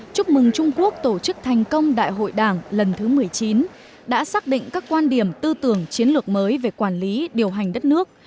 chúc mừng trung quốc tổ chức thành công đại hội đảng lần thứ một mươi chín đã xác định các quan điểm tư tưởng chiến lược mới về quản lý điều hành đất nước